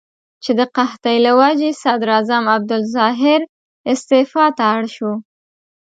چې د قحطۍ له وجې صدراعظم عبدالظاهر استعفا ته اړ شو.